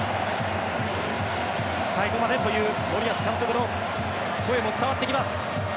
最後までという森保監督の声も伝わってきます。